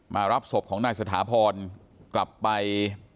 รับศพของนายสถาพรกลับไป